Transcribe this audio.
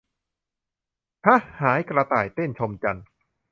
หะหายกระต่ายเต้น ชมจันทร์